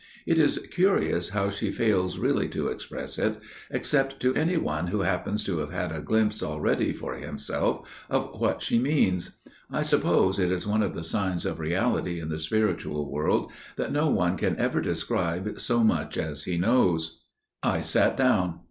It is curious how she fails really to express it, except to any one who happens to have had a glimpse already for himself of what she means. I suppose it is one of the signs of reality in the spiritual world that no one can ever describe so much as he knows." I sat down.